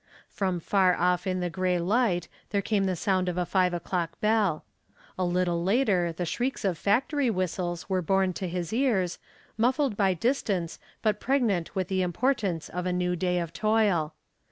From far off in the gray light there came the sound of a five o'clock bell. A little later the shrieks of factory whistles were borne to his ears, muffled by distance but pregnant with the importance of a new day of toil.